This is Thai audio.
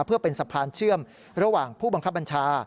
เพื่อเป็นสะพานเชื่อมระหว่างผู้บังคับบัญชา